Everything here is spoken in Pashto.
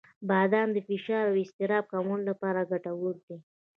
• بادام د فشار او اضطراب کمولو لپاره ګټور دي.